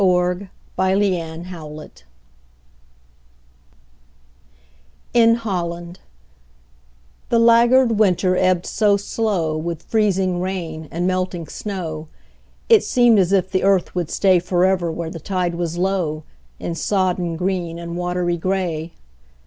FLOOD TIDE OF FLOWERS IN HOLLAND The laggard winter ebbed so slow With freezing rain and melting snow, It seemed as if the earth would stay Forever where the tide was low, In sodden green and watery gray.